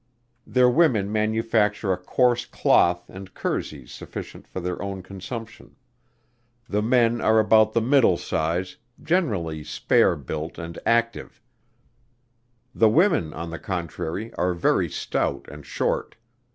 Their women manufacture a coarse cloth and kerseys sufficient for their own consumption. The men are about the middle size, generally spare built and active; the women, on the contrary, are very stout and short.